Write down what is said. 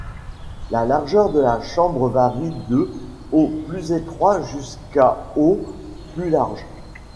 La largeur de la chambre varie de au plus étroit jusqu'à au plus large.